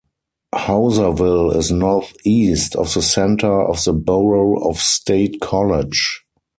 Houserville is northeast of the center of the borough of State College.